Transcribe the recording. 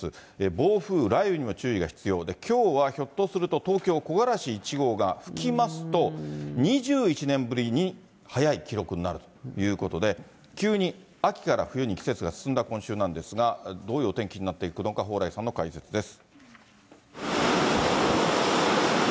暴風、雷雨にも注意が必要で、きょうはひょっとすると、東京、木枯らし１号が吹きますと、２１年ぶりに早い記録になるということで、急に秋から冬に季節が進んだ今週なんですが、どういうお天気になっていくのか、蓬莱さんの解説です。